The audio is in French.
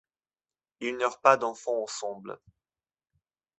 Ils n'eurent pas d'enfants ensemble.